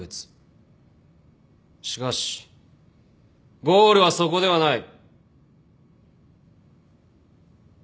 しかしゴールはそこではない。